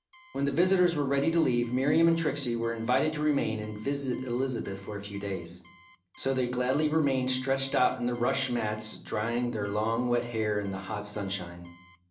When the visitors were ready to leave, Miriam and Trixie were invited to remain and visit Elizabeth for a few days. So they gladly remained stretched out on the rush mats drying their long wet hair in the hot sunshine.